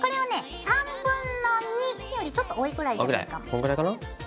こんぐらいかな？